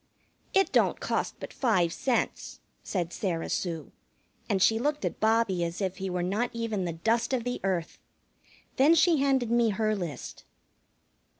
"It don't cost but five cents," said Sarah Sue, and she looked at Bobbie as if he were not even the dust of the earth. Then she handed me her list.